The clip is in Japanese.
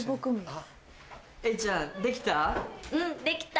エリちゃんできた？